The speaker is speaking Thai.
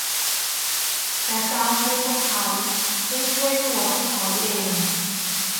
พระเจ้าช่วยพวกเขา ซึ่งช่วยตัวพวกเขาเอง